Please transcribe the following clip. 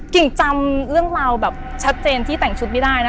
กิ่งจำเรื่องราวแบบชัดเจนที่แต่งชุดไม่ได้นะ